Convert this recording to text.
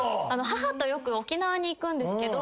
母とよく沖縄に行くんですけど。